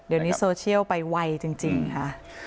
เดี๋ยวนี้โซเชียลไปไวจริงค่ะ